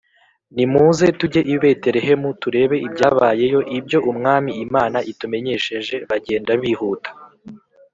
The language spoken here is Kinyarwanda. , Nimuze tujye i Betelehemu turebe ibyabayeyo, ibyo Umwami Imana itumenyesheje. Bagenda bihuta